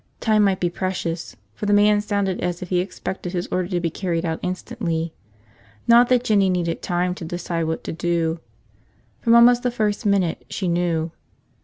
Time might be precious, for the man sounded as if he expected his order to be carried out instantly. Not that Jinny needed time to decide what to do. From almost the first minute, she knew.